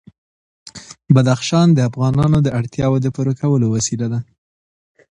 بدخشان د افغانانو د اړتیاوو د پوره کولو وسیله ده.